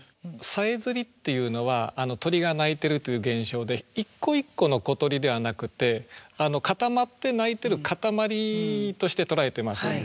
「囀」っていうのは鳥が鳴いてるという現象で一個一個の小鳥ではなくて固まって鳴いてる固まりとして捉えてます。